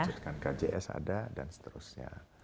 melanjutkan kjs ada dan seterusnya